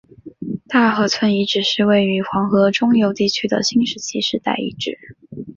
大河村遗址是位于黄河中游地区的新石器时代遗址。